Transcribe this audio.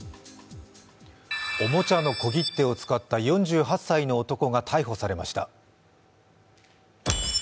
おもちゃの小切手を使った４８歳の男が逮捕されました。